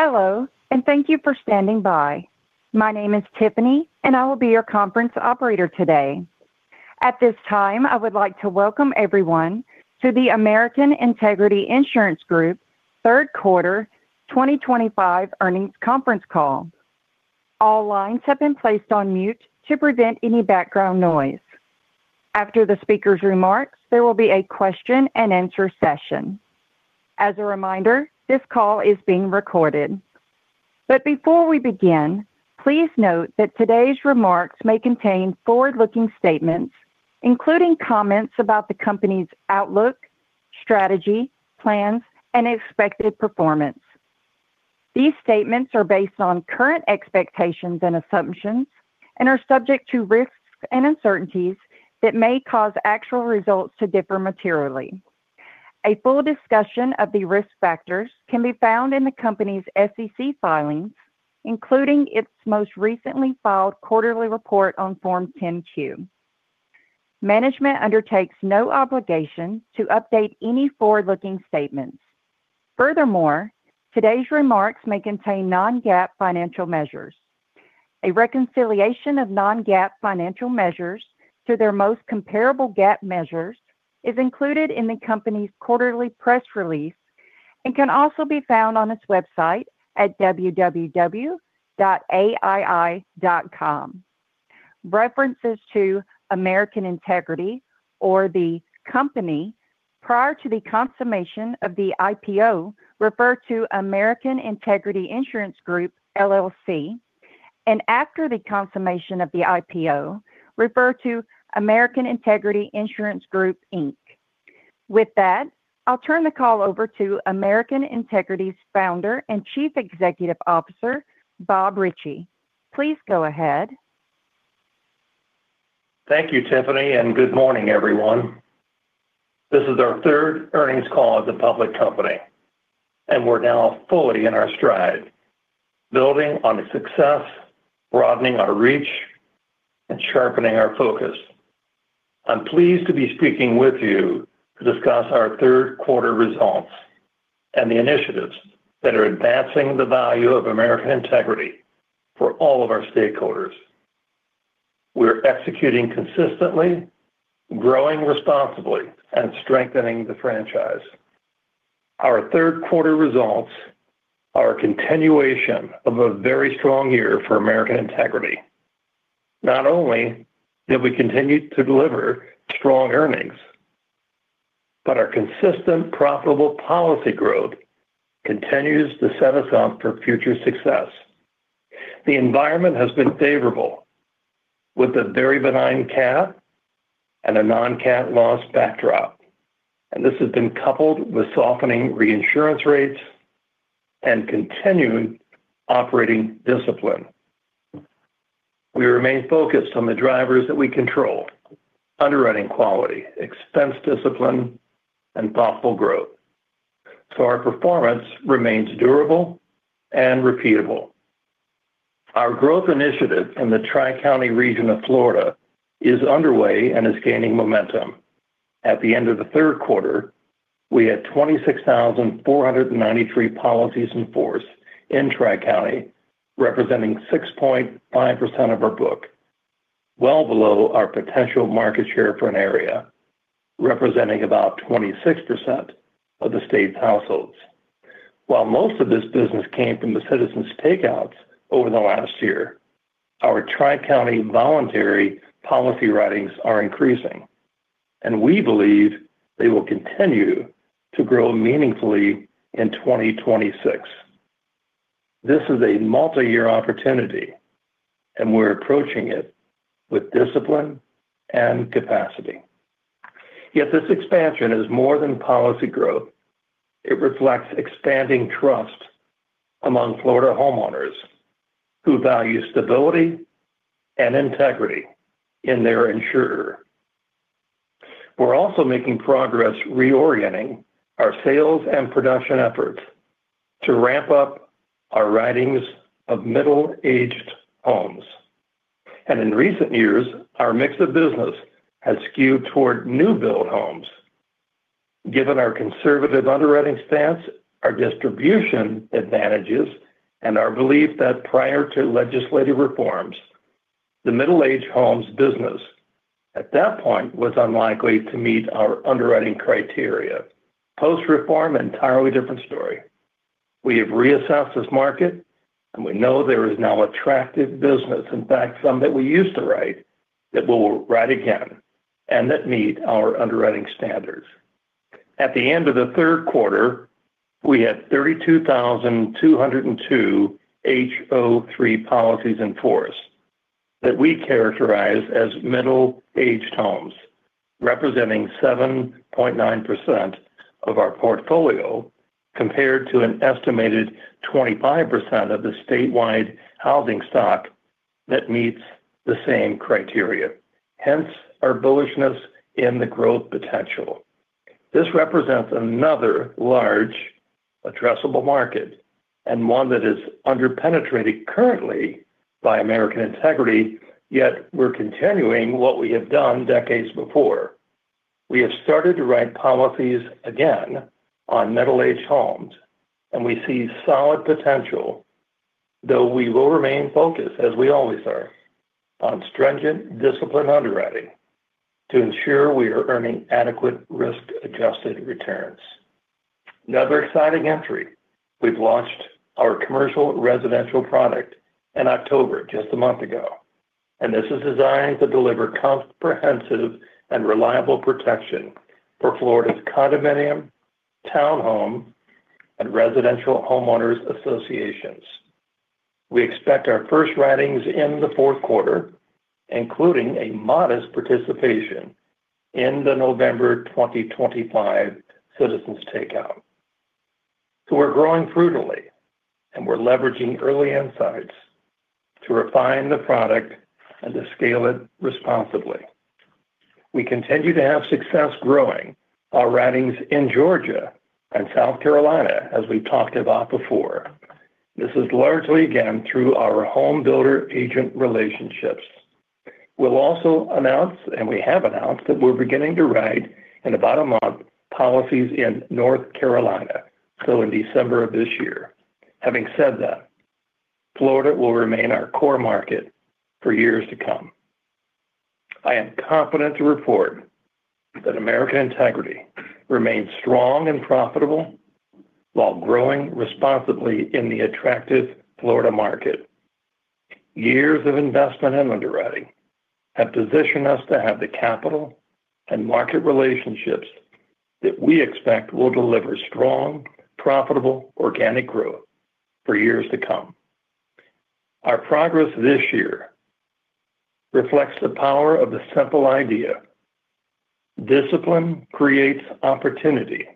Hello, and thank you for standing by. My name is Tiffany, and I will be your conference operator today. At this time, I would like to welcome everyone to the American Integrity Insurance Group Third Quarter 2025 Earnings Conference Call. All lines have been placed on mute to prevent any background noise. After the speaker's remarks, there will be a question-and-answer session. As a reminder, this call is being recorded. Before we begin, please note that today's remarks may contain forward-looking statements, including comments about the company's outlook, strategy, plans, and expected performance. These statements are based on current expectations and assumptions and are subject to risks and uncertainties that may cause actual results to differ materially. A full discussion of the risk factors can be found in the company's SEC filings, including its most recently filed quarterly report on Form 10-Q. Management undertakes no obligation to update any forward-looking statements. Furthermore, today's remarks may contain non-GAAP financial measures. A reconciliation of non-GAAP financial measures to their most comparable GAAP measures is included in the company's quarterly press release and can also be found on its website at www.aii.com. References to American Integrity, or the company, prior to the consummation of the IPO refer to American Integrity Insurance Group LLC, and after the consummation of the IPO refer to American Integrity Insurance Group, Inc. With that, I'll turn the call over to American Integrity's Founder and Chief Executive Officer, Bob Ritchie. Please go ahead. Thank you, Tiffany, and good morning, everyone. This is our third earnings call as a public company, and we're now fully in our stride, building on the success, broadening our reach, and sharpening our focus. I'm pleased to be speaking with you to discuss our third quarter results and the initiatives that are advancing the value of American Integrity for all of our stakeholders. We're executing consistently, growing responsibly, and strengthening the franchise. Our third quarter results are a continuation of a very strong year for American Integrity. Not only did we continue to deliver strong earnings, but our consistent, profitable policy growth continues to set us up for future success. The environment has been favorable, with a very benign CAT and a non-CAT loss backdrop, and this has been coupled with softening reinsurance rates and continued operating discipline. We remain focused on the drivers that we control: underwriting quality, expense discipline, and thoughtful growth. Our performance remains durable and repeatable. Our growth initiative in the Tri-County region of Florida is underway and is gaining momentum. At the end of the third quarter, we had 26,493 policies in force in Tri-County, representing 6.5% of our book, well below our potential market share for an area representing about 26% of the state's households. While most of this business came from the Citizens takeouts over the last year, our Tri-County voluntary policy writings are increasing, and we believe they will continue to grow meaningfully in 2026. This is a multi-year opportunity, and we're approaching it with discipline and capacity. Yet this expansion is more than policy growth. It reflects expanding trust among Florida homeowners who value stability and integrity in their insurer. We're also making progress reorienting our sales and production efforts to ramp up our writings of middle-aged homes. In recent years, our mix of business has skewed toward new-build homes. Given our conservative underwriting stance, our distribution advantages, and our belief that prior to legislative reforms, the middle-aged homes business at that point was unlikely to meet our underwriting criteria. Post-reform, entirely different story. We have reassessed this market, and we know there is now attractive business, in fact, some that we used to write that we will write again and that meet our underwriting standards. At the end of the third quarter, we had 32,202 HO3 policies in force that we characterize as middle-aged homes, representing 7.9% of our portfolio compared to an estimated 25% of the statewide housing stock that meets the same criteria. Hence, our bullishness in the growth potential. This represents another large addressable market and one that is under-penetrated currently by American Integrity, yet we're continuing what we have done decades before. We have started to write policies again on middle-aged homes, and we see solid potential, though we will remain focused, as we always are, on stringent discipline underwriting to ensure we are earning adequate risk-adjusted returns. Another exciting entry: we've launched our Commercial Residential Product in October, just a month ago, and this is designed to deliver comprehensive and reliable protection for Florida's condominium, townhome, and residential homeowners associations. We expect our first writings in the fourth quarter, including a modest participation in the November 2025 Citizens' takeout. We are growing prudently, and we are leveraging early insights to refine the product and to scale it responsibly. We continue to have success growing our writings in Georgia and South Carolina, as we've talked about before. This is largely again through our home builder agent relationships. We'll also announce, and we have announced that we're beginning to write in about a month policies in North Carolina, so in December of this year. Having said that, Florida will remain our core market for years to come. I am confident to report that American Integrity remains strong and profitable while growing responsibly in the attractive Florida market. Years of investment and underwriting have positioned us to have the capital and market relationships that we expect will deliver strong, profitable, organic growth for years to come. Our progress this year reflects the power of the simple idea: discipline creates opportunity,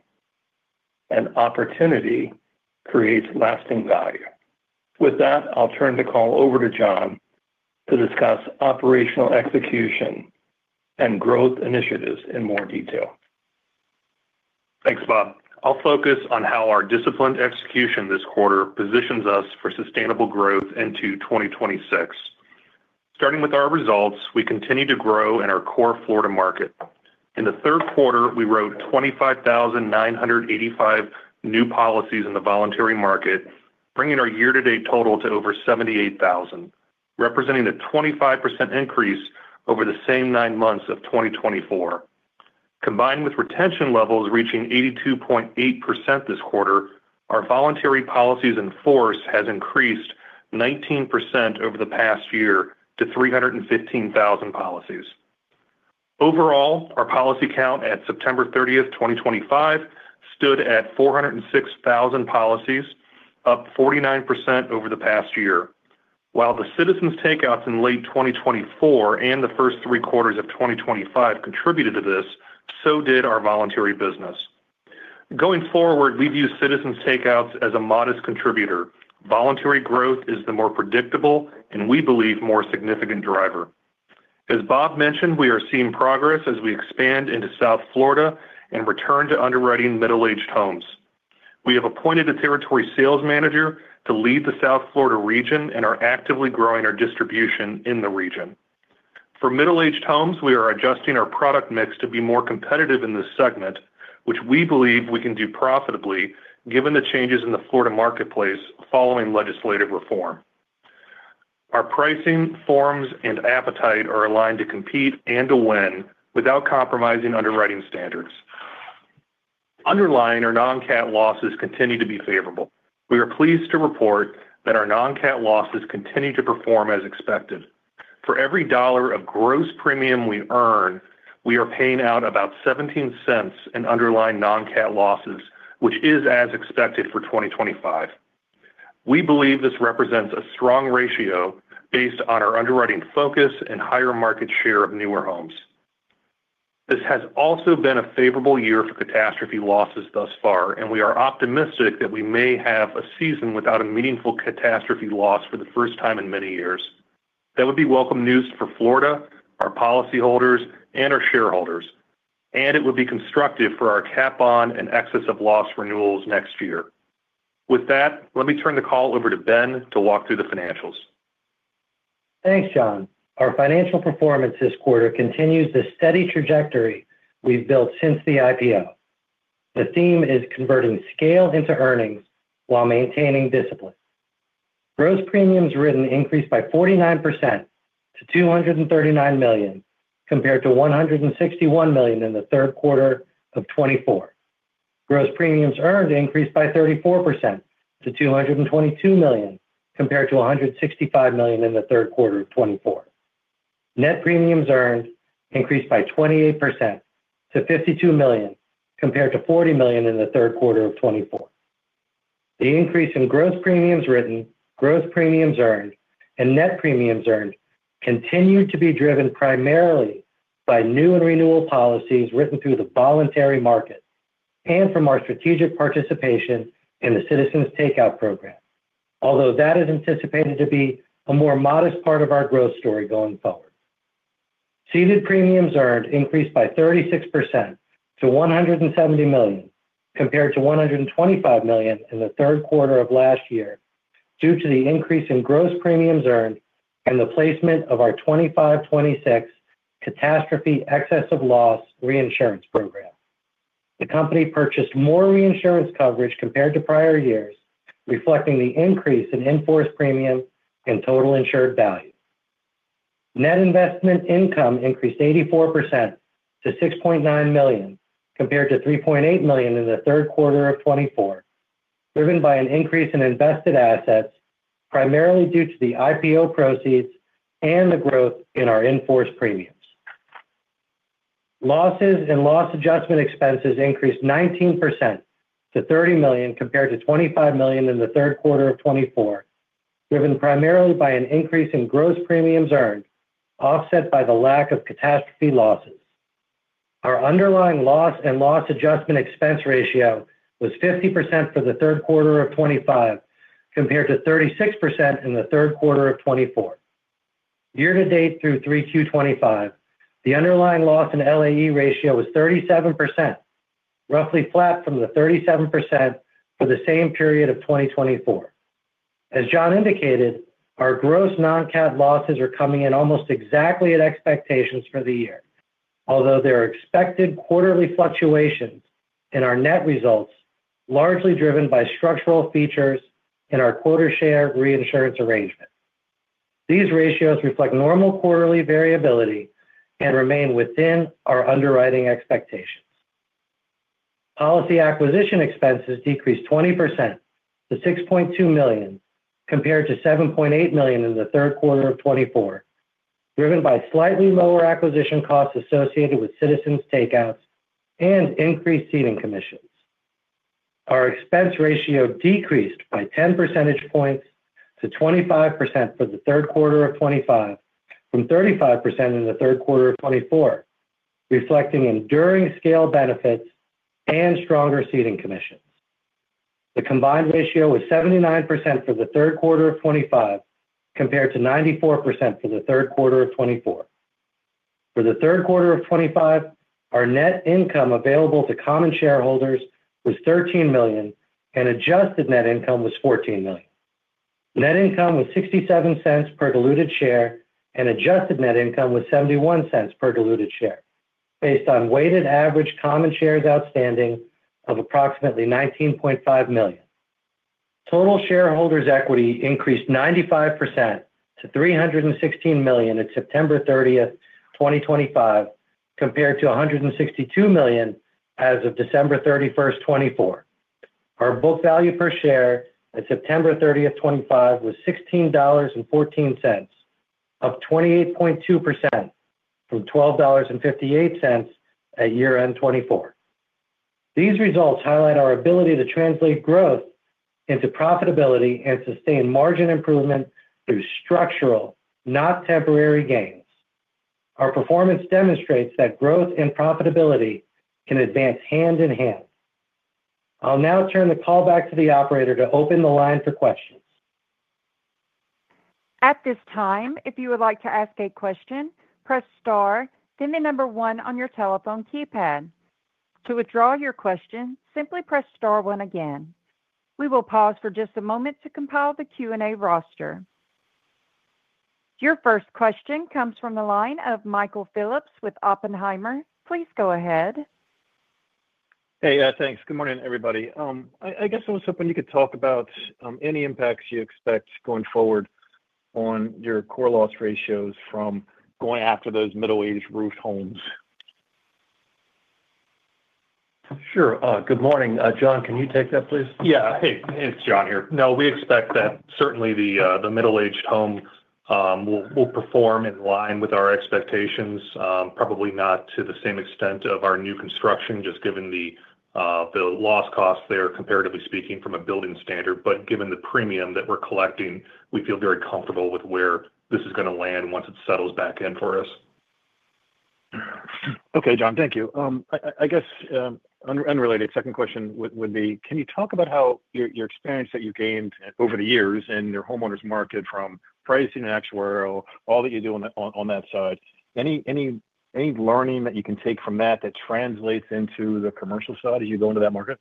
and opportunity creates lasting value. With that, I'll turn the call over to Jon to discuss operational execution and growth initiatives in more detail. Thanks, Bob. I'll focus on how our disciplined execution this quarter positions us for sustainable growth into 2026. Starting with our results, we continue to grow in our core Florida market. In the third quarter, we wrote 25,985 new policies in the voluntary market, bringing our year-to-date total to over 78,000, representing a 25% increase over the same nine months of 2024. Combined with retention levels reaching 82.8% this quarter, our voluntary policies in force have increased 19% over the past year to 315,000 policies. Overall, our policy count at September 30, 2025, stood at 406,000 policies, up 49% over the past year. While the Citizens' takeouts in late 2024 and the first three quarters of 2025 contributed to this, so did our voluntary business. Going forward, we view Citizens' takeouts as a modest contributor. Voluntary growth is the more predictable and, we believe, more significant driver. As Bob mentioned, we are seeing progress as we expand into South Florida and return to underwriting middle-aged homes. We have appointed a territory sales manager to lead the South Florida region and are actively growing our distribution in the region. For middle-aged homes, we are adjusting our product mix to be more competitive in this segment, which we believe we can do profitably given the changes in the Florida marketplace following legislative reform. Our pricing forms and appetite are aligned to compete and to win without compromising underwriting standards. Underlying or non-CAT losses continue to be favorable. We are pleased to report that our non-CAT losses continue to perform as expected. For every dollar of gross premium we earn, we are paying out about $0.17 in underlying non-CAT losses, which is as expected for 2025. We believe this represents a strong ratio based on our underwriting focus and higher market share of newer homes. This has also been a favorable year for catastrophe losses thus far, and we are optimistic that we may have a season without a meaningful catastrophe loss for the first time in many years. That would be welcome news for Florida, our policyholders, and our shareholders, and it would be constructive for our cap-on and excessive loss renewals next year. With that, let me turn the call over to Ben to walk through the financials. Thanks, Jon. Our financial performance this quarter continues the steady trajectory we've built since the IPO. The theme is converting scale into earnings while maintaining discipline. Gross premiums written increased by 49% to $239 million compared to $161 million in the third quarter of 2024. Gross premiums earned increased by 34% to $222 million compared to $165 million in the third quarter of 2024. Net premiums earned increased by 28% to $52 million compared to $40 million in the third quarter of 2024. The increase in gross premiums written, gross premiums earned, and net premiums earned continued to be driven primarily by new and renewal policies written through the voluntary market and from our strategic participation in the Citizens Take-Out Program, although that is anticipated to be a more modest part of our growth story going forward. Ceded premiums earned increased by 36% to $170 million compared to $125 million in the third quarter of last year due to the increase in gross premiums earned and the placement of our 2025-2026 catastrophe excess of loss reinsurance program. The company purchased more reinsurance coverage compared to prior years, reflecting the increase in in-force premium and total insured value. Net investment income increased 84% to $6.9 million compared to $3.8 million in the third quarter of 2024, driven by an increase in invested assets primarily due to the IPO proceeds and the growth in our in-force premiums. Losses and loss adjustment expenses increased 19% to $30 million compared to $25 million in the third quarter of 2024, driven primarily by an increase in gross premiums earned offset by the lack of catastrophe losses. Our underlying loss and loss adjustment expense ratio was 50% for the third quarter of 2025 compared to 36% in the third quarter of 2024. Year-to-date through 3Q 2025, the underlying loss and LAE ratio was 37%, roughly flat from the 37% for the same period of 2024. As Jon indicated, our gross non-CAT losses are coming in almost exactly at expectations for the year, although there are expected quarterly fluctuations in our net results largely driven by structural features in our quota share reinsurance arrangement. These ratios reflect normal quarterly variability and remain within our underwriting expectations. Policy acquisition expenses decreased 20% to $6.2 million compared to $7.8 million in the third quarter of 2024, driven by slightly lower acquisition costs associated with Citizens takeouts and increased ceding commissions. Our expense ratio decreased by 10 percentage points to 25% for the third quarter of 2025 from 35% in the third quarter of 2024, reflecting enduring scale benefits and stronger ceding commissions. The combined ratio was 79% for the third quarter of 2025 compared to 94% for the third quarter of 2024. For the third quarter of 2025, our net income available to common shareholders was $13 million, and adjusted net income was $14 million. Net income was $0.67 per diluted share, and adjusted net income was $0.71 per diluted share, based on weighted average common shares outstanding of approximately 19.5 million. Total shareholders' equity increased 95% to $316 million at September 30, 2025, compared to $162 million as of December 31, 2024. Our book value per share at September 30, 2025 was $16.14, up 28.2% from $12.58 at year-end 2024. These results highlight our ability to translate growth into profitability and sustain margin improvement through structural, not temporary gains. Our performance demonstrates that growth and profitability can advance hand in hand. I'll now turn the call back to the operator to open the line for questions. At this time, if you would like to ask a question, press star, then the number one on your telephone keypad. To withdraw your question, simply press star one again. We will pause for just a moment to compile the Q&A roster. Your first question comes from the line of Michael Phillips with Oppenheimer. Please go ahead. Hey, thanks. Good morning, everybody. I guess I was hoping you could talk about any impacts you expect going forward on your core loss ratios from going after those middle-aged roof homes. Sure. Good morning. Jon, can you take that, please? Yeah. Hey, it's Jon here. No, we expect that certainly the middle-aged home will perform in line with our expectations, probably not to the same extent of our new construction, just given the loss costs there comparatively speaking from a building standard. Given the premium that we're collecting, we feel very comfortable with where this is going to land once it settles back in for us. Okay, Jon, thank you. I guess an unrelated second question would be, can you talk about how your experience that you gained over the years in your homeowners market from pricing and actuarial, all that you do on that side, any learning that you can take from that that translates into the commercial side as you go into that market?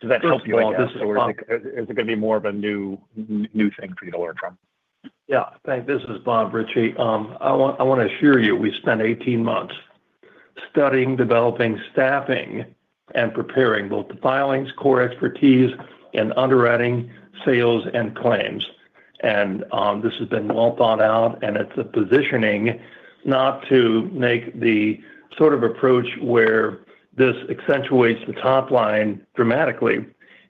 Does that help you all? Is it going to be more of a new thing for you to learn from? Yeah. Thank you. This is Bob Ritchie. I want to assure you we spent 18 months studying, developing, staffing, and preparing both the filings, core expertise, and underwriting sales and claims. This has been well thought out, and it's a positioning not to make the sort of approach where this accentuates the top line dramatically,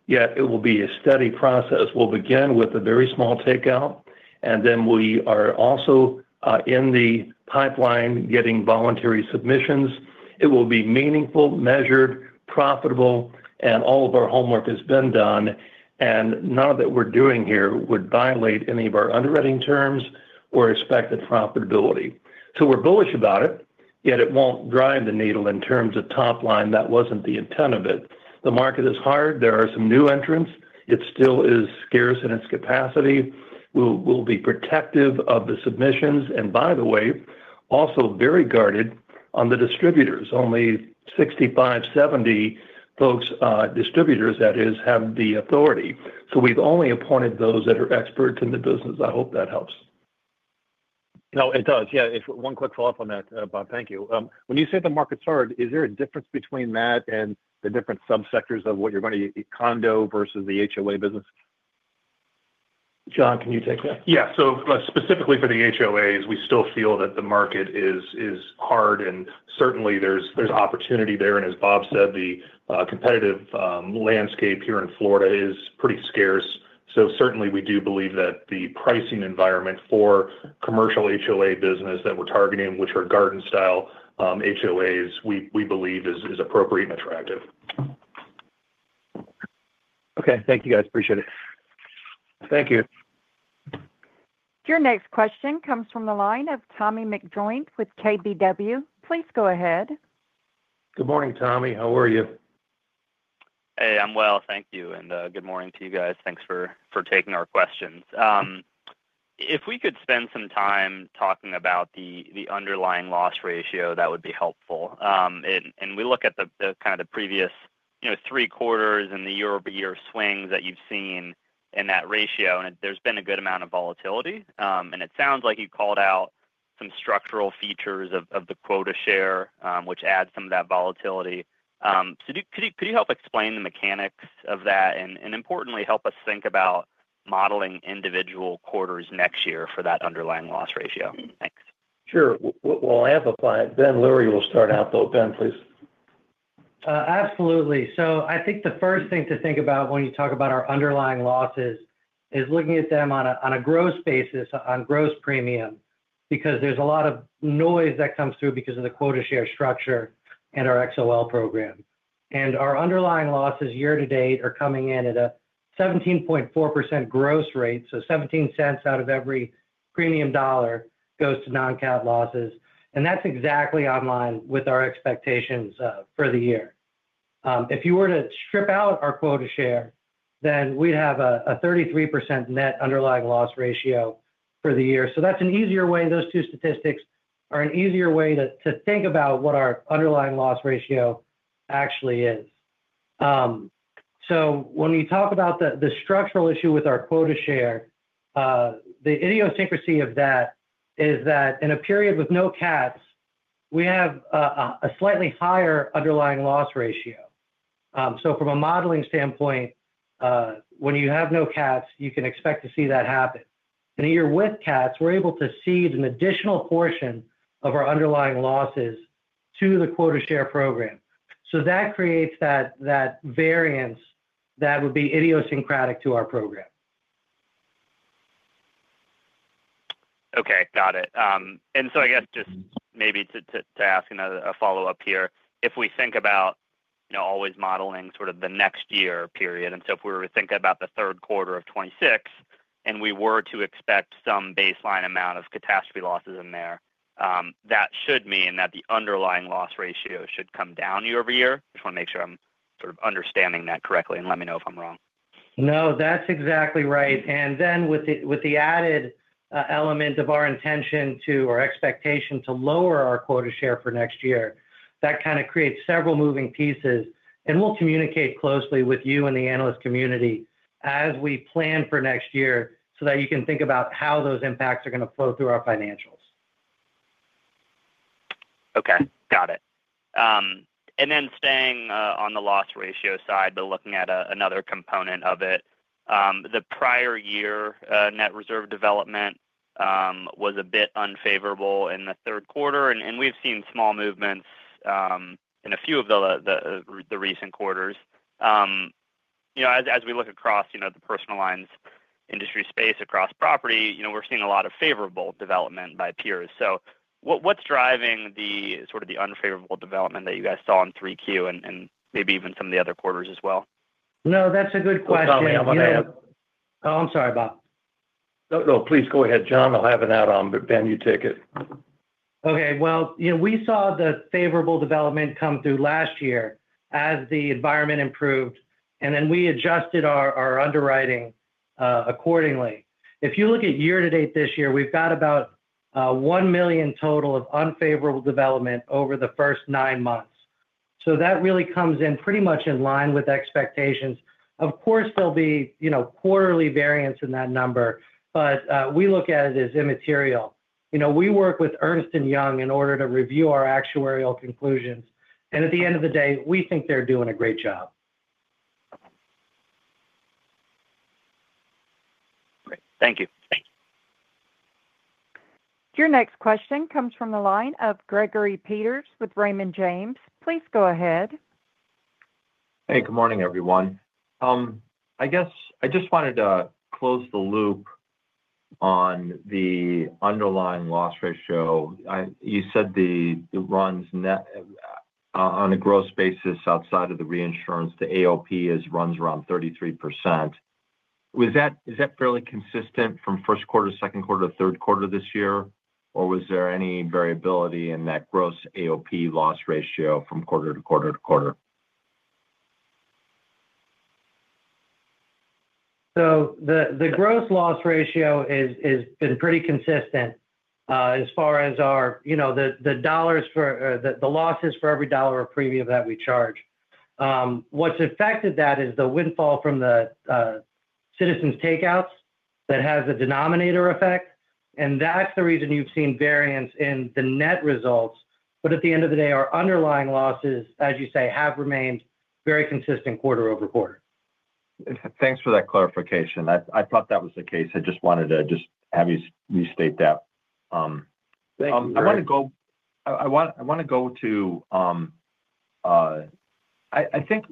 yet it will be a steady process. We'll begin with a very small takeout, and then we are also in the pipeline getting voluntary submissions. It will be meaningful, measured, profitable, and all of our homework has been done, and none of that we're doing here would violate any of our underwriting terms or expected profitability. We are bullish about it, yet it won't drive the needle in terms of top line. That wasn't the intent of it. The market is hard. There are some new entrants. It still is scarce in its capacity. We'll be protective of the submissions. By the way, also very guarded on the distributors. Only 65-70 folks, distributors, that is, have the authority. We've only appointed those that are experts in the business. I hope that helps. No, it does. Yeah. One quick follow-up on that, Bob. Thank you. When you say the market's hard, is there a difference between that and the different subsectors of what you're going to condo versus the HOA business? Jon, can you take that? Yeah. So specifically for the HOAs, we still feel that the market is hard, and certainly there's opportunity there. As Bob said, the competitive landscape here in Florida is pretty scarce. Certainly we do believe that the pricing environment for commercial HOA business that we're targeting, which are garden-style HOAs, we believe is appropriate and attractive. Okay. Thank you, guys. Appreciate it. Thank you. Your next question comes from the line of Tommy McJoynt with KBW. Please go ahead. Good morning, Tommy. How are you? Hey, I'm well. Thank you. Good morning to you guys. Thanks for taking our questions. If we could spend some time talking about the underlying loss ratio, that would be helpful. We look at the kind of the previous three quarters and the year-over-year swings that you've seen in that ratio, and there's been a good amount of volatility. It sounds like you called out some structural features of the quota share, which adds some of that volatility. Could you help explain the mechanics of that and, importantly, help us think about modeling individual quarters next year for that underlying loss ratio? Thanks. Sure. We'll amplify it. Ben Lurie will start out, though. Ben, please. Absolutely. I think the first thing to think about when you talk about our underlying losses is looking at them on a gross basis, on gross premium, because there is a lot of noise that comes through because of the quota share structure and our XOL program. Our underlying losses year-to-date are coming in at a 17.4% gross rate. Seventeen cents out of every premium dollar goes to non-CAT losses. That is exactly online with our expectations for the year. If you were to strip out our quota share, then we would have a 33% net underlying loss ratio for the year. That is an easier way. Those two statistics are an easier way to think about what our underlying loss ratio actually is. When you talk about the structural issue with our quota share, the idiosyncrasy of that is that in a period with no CATs, we have a slightly higher underlying loss ratio. From a modeling standpoint, when you have no CATs, you can expect to see that happen. In a year with CATs, we're able to cede an additional portion of our underlying losses to the quota share program. That creates that variance that would be idiosyncratic to our program. Okay. Got it. I guess just maybe to ask a follow-up here, if we think about always modeling sort of the next year period, and if we were to think about the third quarter of 2026 and we were to expect some baseline amount of catastrophe losses in there, that should mean that the underlying loss ratio should come down year-over-year. I just want to make sure I'm sort of understanding that correctly and let me know if I'm wrong. No, that's exactly right. With the added element of our intention to or expectation to lower our quota share for next year, that kind of creates several moving pieces. We will communicate closely with you and the analyst community as we plan for next year so that you can think about how those impacts are going to flow through our financials. Okay. Got it. Then staying on the loss ratio side, but looking at another component of it, the prior year net reserve development was a bit unfavorable in the third quarter, and we've seen small movements in a few of the recent quarters. As we look across the personal lines industry space across property, we're seeing a lot of favorable development by peers. What's driving sort of the unfavorable development that you guys saw in 3Q and maybe even some of the other quarters as well? No, that's a good question. Oh, I'm sorry, Bob. No, please go ahead, Jon. I'll have an add-on, but Ben, you take it. Okay. We saw the favorable development come through last year as the environment improved, and then we adjusted our underwriting accordingly. If you look at year-to-date this year, we've got about $1 million total of unfavorable development over the first nine months. That really comes in pretty much in line with expectations. Of course, there'll be quarterly variance in that number, but we look at it as immaterial. We work with Ernst & Young in order to review our actuarial conclusions. At the end of the day, we think they're doing a great job. Great. Thank you. Your next question comes from the line of Gregory Peters with Raymond James. Please go ahead. Hey, good morning, everyone. I guess I just wanted to close the loop on the underlying loss ratio. You said it runs on a gross basis outside of the reinsurance. The AOP runs around 33%. Is that fairly consistent from first quarter to second quarter to third quarter this year? Or was there any variability in that gross AOP loss ratio from quarter to quarter to quarter? The gross loss ratio has been pretty consistent as far as the losses for every dollar of premium that we charge. What has affected that is the windfall from the Citizens takeouts that has a denominator effect. That is the reason you have seen variance in the net results. At the end of the day, our underlying losses, as you say, have remained very consistent quarter over quarter. Thanks for that clarification. I thought that was the case. I just wanted to have you restate that. I want to go to I think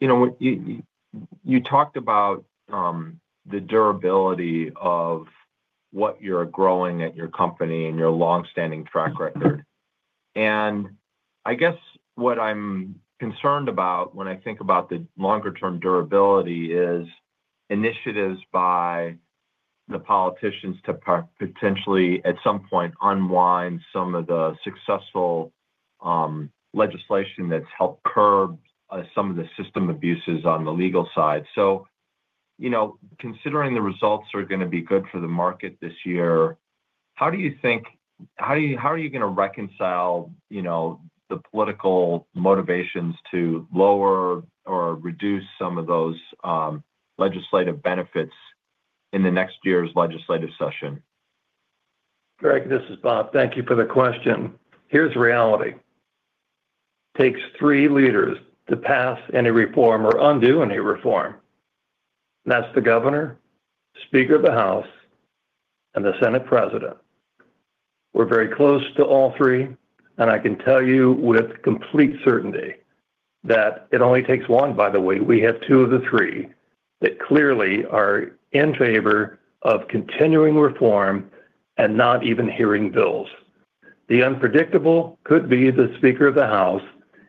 you talked about the durability of what you're growing at your company and your long-standing track record. I guess what I'm concerned about when I think about the longer-term durability is initiatives by the politicians to potentially, at some point, unwind some of the successful legislation that's helped curb some of the system abuses on the legal side. Considering the results are going to be good for the market this year, how do you think how are you going to reconcile the political motivations to lower or reduce some of those legislative benefits in the next year's legislative session? Greg, this is Bob. Thank you for the question. Here's reality. It takes three leaders to pass any reform or undo any reform. That is the Governor, Speaker of the House, and the Senate President. We're very close to all three, and I can tell you with complete certainty that it only takes one, by the way. We have two of the three that clearly are in favor of continuing reform and not even hearing bills. The unpredictable could be the Speaker of the House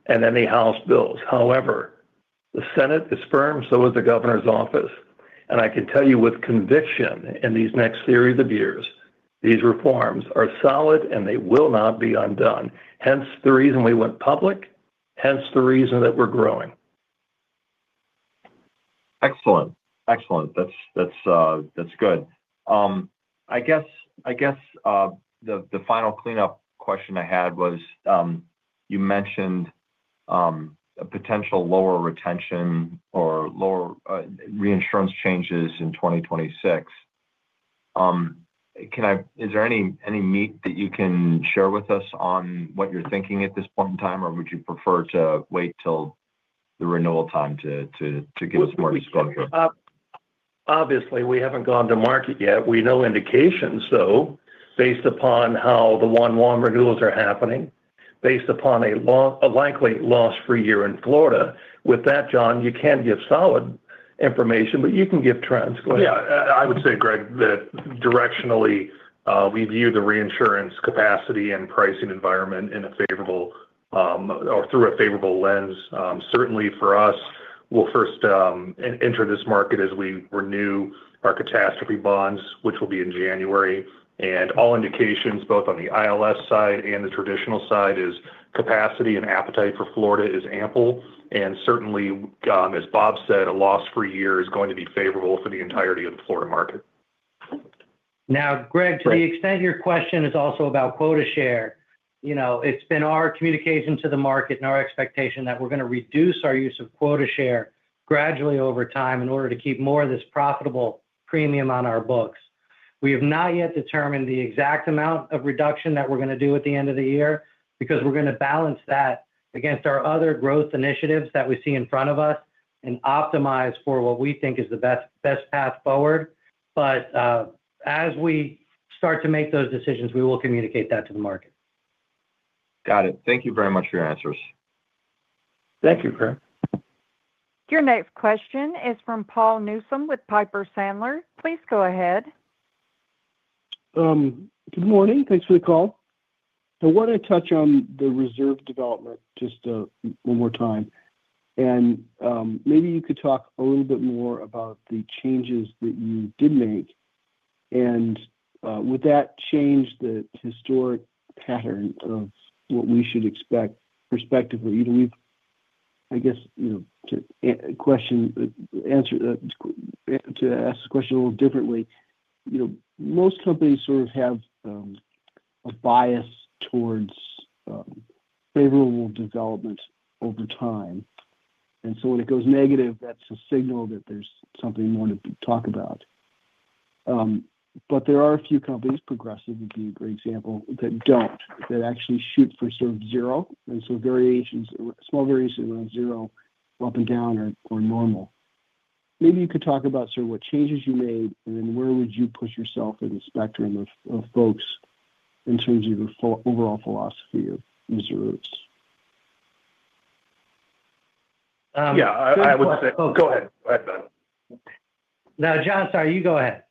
and any House Bills. However, the Senate is firm, so is the Governor's Office. I can tell you with conviction in these next series of years, these reforms are solid, and they will not be undone. Hence the reason we went public, hence the reason that we're growing. Excellent. Excellent. That's good. I guess the final cleanup question I had was you mentioned a potential lower retention or lower reinsurance changes in 2026. Is there any meat that you can share with us on what you're thinking at this point in time, or would you prefer to wait till the renewal time to give us more exposure? Obviously, we haven't gone to market yet. We know indications, though, based upon how the one-to-one renewals are happening, based upon a likely loss for a year in Florida. With that, Jon, you can't give solid information, but you can give trends. Go ahead. Yeah. I would say, Greg, that directionally, we view the reinsurance capacity and pricing environment in a favorable or through a favorable lens. Certainly, for us, we'll first enter this market as we renew our catastrophe bonds, which will be in January. All indications, both on the ILS side and the traditional side, is capacity and appetite for Florida is ample. Certainly, as Bob said, a loss for a year is going to be favorable for the entirety of the Florida market. Now, Greg, to the extent your question is also about quota share, it's been our communication to the market and our expectation that we're going to reduce our use of quota share gradually over time in order to keep more of this profitable premium on our books. We have not yet determined the exact amount of reduction that we're going to do at the end of the year because we're going to balance that against our other growth initiatives that we see in front of us and optimize for what we think is the best path forward. As we start to make those decisions, we will communicate that to the market. Got it. Thank you very much for your answers. Thank you, Greg. Your next question is from Paul Newsome with Piper Sandler. Please go ahead. Good morning. Thanks for the call. I want to touch on the reserve development just one more time. Maybe you could talk a little bit more about the changes that you did make. Would that change the historic pattern of what we should expect prospectively? I guess to ask the question a little differently, most companies sort of have a bias towards favorable development over time. When it goes negative, that's a signal that there's something more to talk about. There are a few companies, Progressive would be a great example, that do not, that actually shoot for sort of zero. Small variations around zero up and down are normal. Maybe you could talk about sort of what changes you made and then where would you put yourself in the spectrum of folks in terms of your overall philosophy of reserves? Yeah. I would say. Oh, go ahead. Go ahead, Ben. No, Jon, sorry. You go ahead.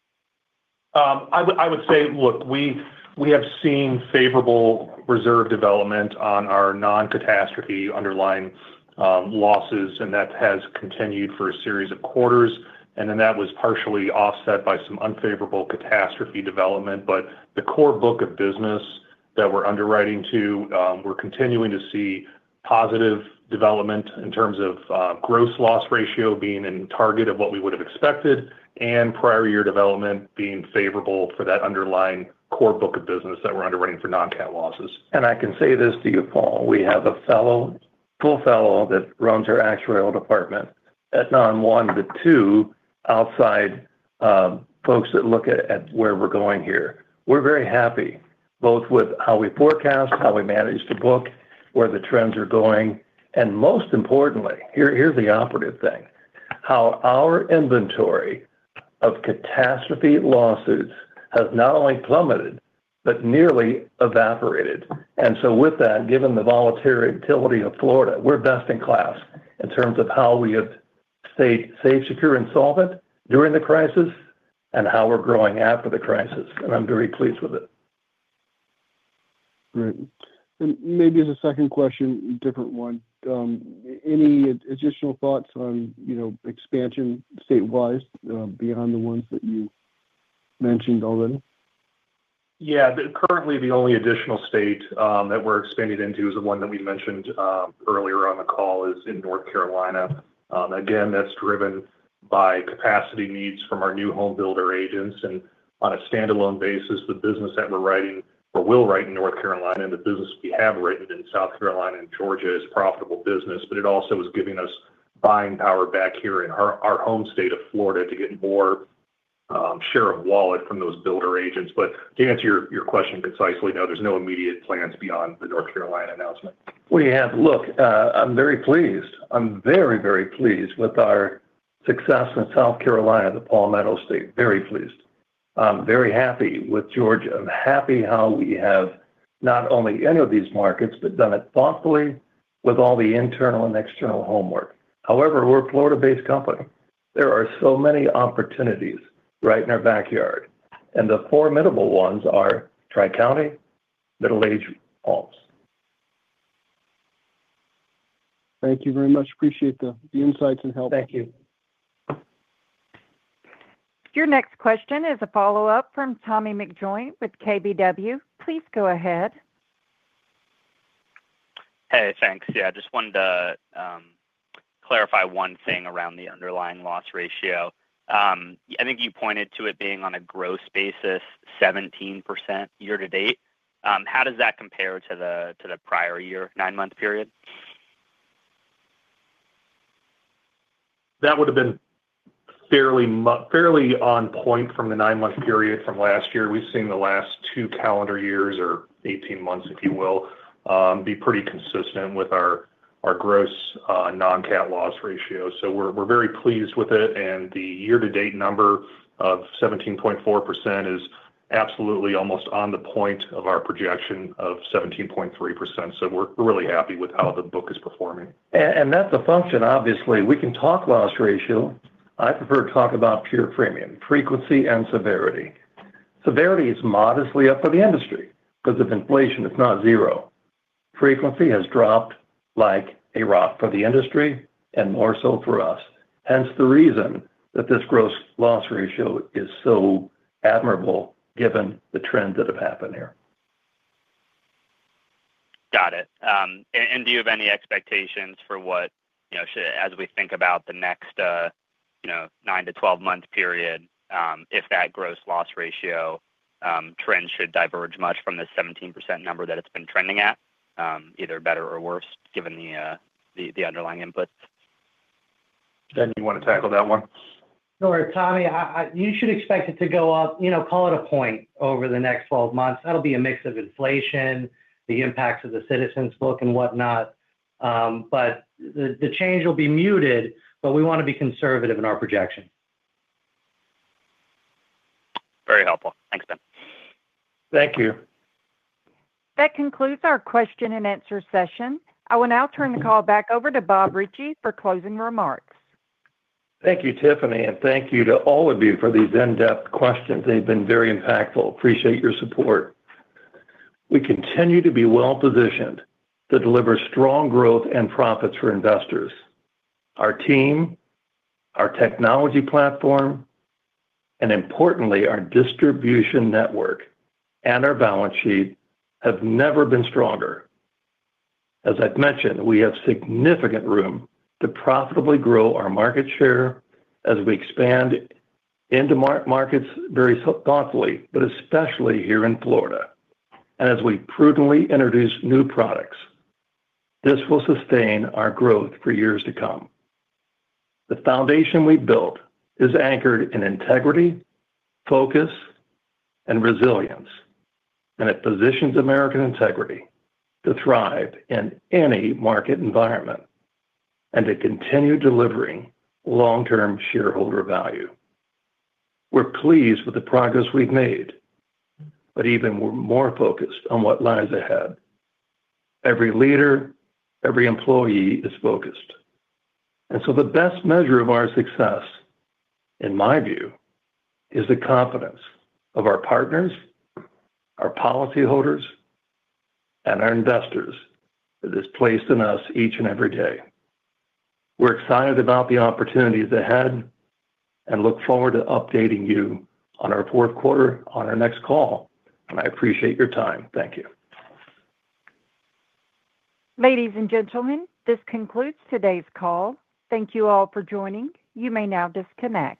I would say, look, we have seen favorable reserve development on our non-catastrophe underlying losses, and that has continued for a series of quarters. That was partially offset by some unfavorable catastrophe development. The core book of business that we're underwriting to, we're continuing to see positive development in terms of gross loss ratio being in target of what we would have expected and prior year development being favorable for that underlying core book of business that we're underwriting for non-cat losses. I can say this to you, Paul. We have a full fellow that runs our actuarial department at not one but two outside folks that look at where we're going here. We're very happy both with how we forecast, how we manage the book, where the trends are going. Most importantly, here's the operative thing, how our inventory of catastrophe losses has not only plummeted but nearly evaporated. With that, given the volatility of Florida, we're best in class in terms of how we have stayed safe, secure, and solvent during the crisis and how we're growing after the crisis. I'm very pleased with it. Great. Maybe as a second question, a different one, any additional thoughts on expansion statewide beyond the ones that you mentioned already? Yeah. Currently, the only additional state that we're expanding into is the one that we mentioned earlier on the call is in North Carolina. Again, that's driven by capacity needs from our new home builder agents. And on a standalone basis, the business that we're writing or will write in North Carolina and the business we have written in South Carolina and Georgia is profitable business, but it also is giving us buying power back here in our home state of Florida to get more share of wallet from those builder agents. To answer your question concisely, no, there's no immediate plans beyond the North Carolina announcement. We have. Look, I'm very pleased. I'm very, very pleased with our success in South Carolina, the Palmetto State. Very pleased. I'm very happy with Georgia. I'm happy how we have not only entered these markets but done it thoughtfully with all the internal and external homework. However, we're a Florida-based company. There are so many opportunities right in our backyard. The formidable ones are Tri-County, middle-aged homes. Thank you very much. Appreciate the insights and help. Thank you. Your next question is a follow-up from Tommy McJoynt with KBW. Please go ahead. Hey, thanks. Yeah. I just wanted to clarify one thing around the underlying loss ratio. I think you pointed to it being on a gross basis, 17% year-to-date. How does that compare to the prior year, nine-month period? That would have been fairly on point from the nine-month period from last year. We've seen the last two calendar years or 18 months, if you will, be pretty consistent with our gross non-cat loss ratio. We're very pleased with it. The year-to-date number of 17.4% is absolutely almost on the point of our projection of 17.3%. We're really happy with how the book is performing. That's a function, obviously. We can talk loss ratio. I prefer to talk about pure premium frequency and severity. Severity is modestly up for the industry because of inflation. It's not zero. Frequency has dropped like a rock for the industry and more so for us. Hence the reason that this gross loss ratio is so admirable given the trend that have happened here. Got it. Do you have any expectations for what, as we think about the next 9 to 12-month period, if that gross loss ratio trend should diverge much from the 17% number that it's been trending at, either better or worse given the underlying inputs? Ben, you want to tackle that one? Sure. Tommy, you should expect it to go up, call it a point over the next 12 months. That'll be a mix of inflation, the impacts of the Citizens' book, and whatnot. The change will be muted, but we want to be conservative in our projection. Very helpful. Thanks, Ben. Thank you. That concludes our question-and-answer session. I will now turn the call back over to Bob Ritchie for closing remarks. Thank you, Tiffany, and thank you to all of you for these in-depth questions. They've been very impactful. Appreciate your support. We continue to be well-positioned to deliver strong growth and profits for investors. Our team, our technology platform, and importantly, our distribution network and our balance sheet have never been stronger. As I've mentioned, we have significant room to profitably grow our market share as we expand into markets very thoughtfully, especially here in Florida, and as we prudently introduce new products. This will sustain our growth for years to come. The foundation we built is anchored in integrity, focus, and resilience, and it positions American Integrity to thrive in any market environment and to continue delivering long-term shareholder value. We're pleased with the progress we've made, but even more focused on what lies ahead. Every leader, every employee is focused. The best measure of our success, in my view, is the confidence of our partners, our policyholders, and our investors that is placed in us each and every day. We are excited about the opportunities ahead and look forward to updating you on our fourth quarter on our next call. I appreciate your time. Thank you. Ladies and gentlemen, this concludes today's call. Thank you all for joining. You may now disconnect.